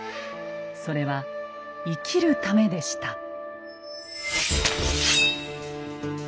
それは生きるためでした。